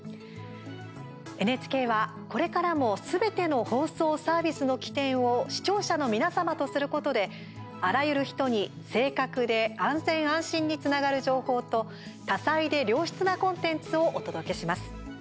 ＮＨＫは、これからもすべての放送、サービスの起点を視聴者の皆様とすることであらゆる人に、正確で安全・安心につながる情報と多彩で良質なコンテンツをお届けします。